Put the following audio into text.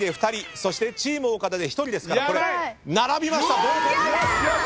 そしてチーム岡田で１人ですから並びました。